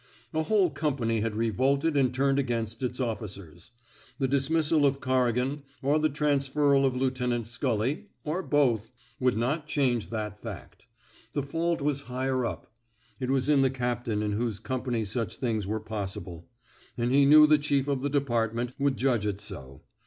A whole company had revolted and turned against its officers. The dismissal of Corrigan, or the transferal of Lieutenant Scully — or both — would not change that fact. The fault was higher up ; it was in the captain in whose company such things were possible; and he knew the chief of the department would judge it so.